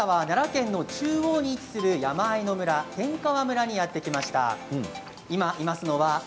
奈良県の中央に位置する山あいの村、天川村に来ています。